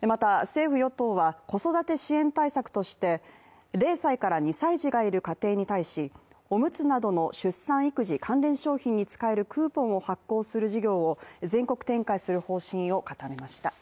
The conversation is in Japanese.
また、政府・与党は子育て支援対策として０歳から２歳児がいる家庭に対しおむつなどの出産・育児関連商品に使えるクーポンを発行する事業を全国展開する方針を固めました。